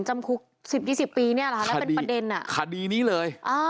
จำคุกสิบยี่สิบปีเนี่ยล่ะแล้วเป็นประเด็นอะคดีนี้เลย